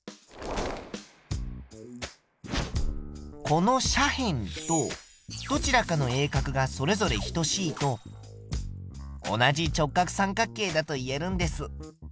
この斜辺とどちらかの鋭角がそれぞれ等しいと同じ直角三角形だと言えるんです。